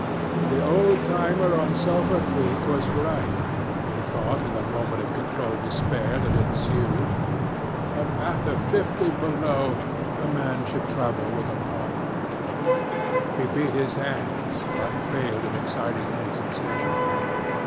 The old timer on Sulphur Creek was right, he thought in the moment of controlled despair that ensued: after fifty below, a man should travel with a partner. He beat his hands, but failed in exciting any sensation.